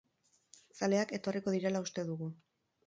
Zaleak etorriko direla uste dugu.